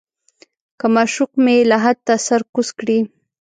که معشوق مې لحد ته سر کوز کړي.